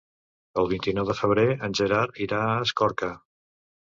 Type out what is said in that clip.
El vint-i-nou de febrer en Gerard irà a Escorca.